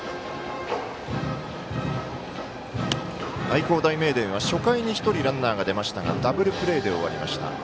愛工大名電は初回に１人ランナーが出ましたがダブルプレーで終わりました。